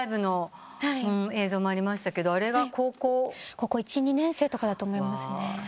高校１２年生とかだと思いますね。